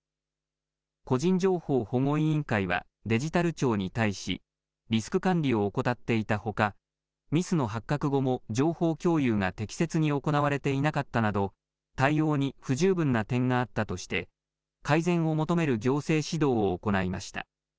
個人情報保護委員会はデジタル庁に対し、リスク管理を怠っていたほか、ミスの発覚後も情報共有が適切に行われていなかったなど、対応に不十分な点があったとして、改善を求める行政指導を行いました。